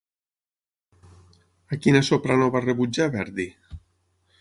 A quina soprano va rebutjar Verdi?